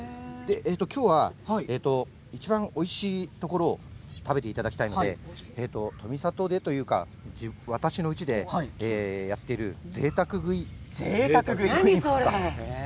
今日はいちばんおいしいところを食べていただきたいので富里でというか私のうちでやっている何それ。